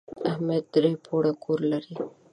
احمد درې پوړه کور لري.